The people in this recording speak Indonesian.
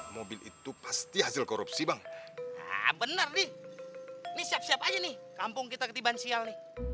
mobil itu pasti hasil korupsi bang bener nih ini siap siap aja nih kampung kita ketiban sial nih